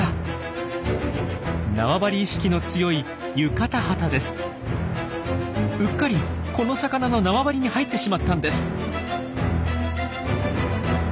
縄張り意識の強いうっかりこの魚の縄張りに入ってしまったんです。